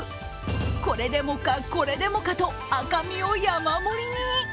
これでもか、これでもかと赤身を山盛りに。